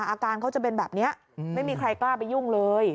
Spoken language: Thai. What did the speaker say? อาการเขาจะเป็นแบบนี้ไม่มีใครกล้าไปยุ่งเลย